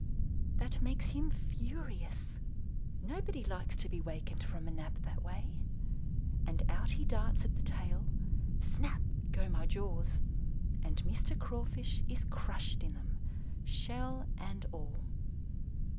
That makes him furious nobody likes to be wakened from a nap that way and out he darts at the tail; snap go my jaws, and Mr. Crawfish is crushed in them, shell and all.